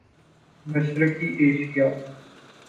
مشرقی ایشیا